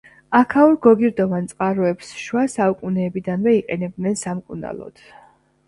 აქაურ გოგირდოვან წყაროებს შუა საუკუნეებიდანვე იყენებდნენ სამკურნალოდ.